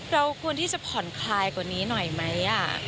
เราควรที่จะผ่อนคลายกว่านี้หน่อยไหม